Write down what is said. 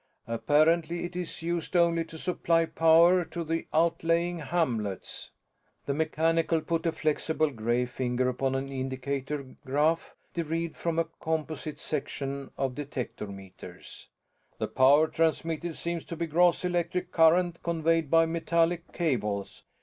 Apparently it is used only to supply power to the outlying hamlets." The mechanical put a flexible gray finger upon an indicator graph derived from a composite section of detector meters. "The power transmitted seems to be gross electric current conveyed by metallic cables.